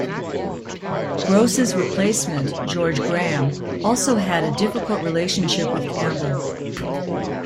Gross's replacement, George Graham, also had a difficult relationship with Campbell.